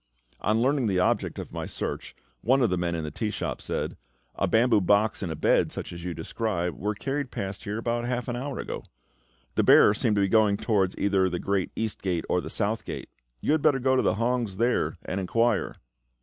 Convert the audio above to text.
On learning the object of my search, one of the men in the tea shop said, "A bamboo box and a bed, such as you describe, were carried past here about half an hour ago. The bearer seemed to be going towards either the Great East Gate or the South Gate; you had better go to the hongs there and inquire."